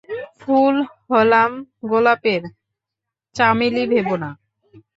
ফুল হলাম গোলাপের, চামেলী ভেবো না।